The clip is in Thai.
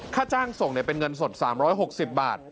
ค่าจ้างส่งเป็นเงินสด๓๖๐บาท